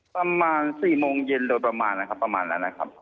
ประมาณ๔โมงเย็นโดยประมาณนะครับประมาณนั้นนะครับ